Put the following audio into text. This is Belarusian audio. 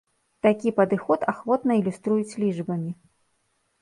Такі падыход ахвотна ілюструюць лічбамі.